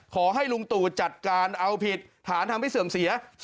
ขอให้ลุงตู่จัดการเอาผิดฐานทำให้เสื่อมเสีย